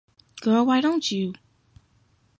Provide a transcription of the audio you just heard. Girl Why Don't You?